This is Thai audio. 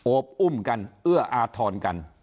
บอุ้มกันเอื้ออาทรกัน